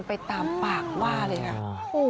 ไปตามปากว่าเลยค่ะ